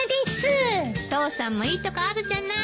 父さんもいいとこあるじゃない。